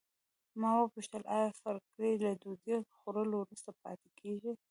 ما وپوښتل آیا فرګي له ډوډۍ خوړلو وروسته پاتې کیږي.